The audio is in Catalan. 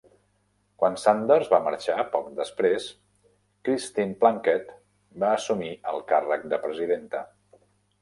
Quan Sanders va marxar poc després, Christine Plunkett va assumir el càrrec de presidenta.